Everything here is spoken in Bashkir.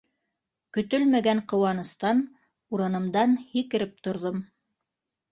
— Көтөлмәгән ҡыуаныстан урынымдан һикереп торҙом.